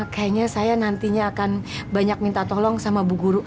kayaknya saya nantinya akan banyak minta tolong sama bu guru